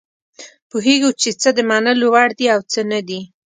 پوهیږو چې څه د منلو وړ دي او څه نه دي.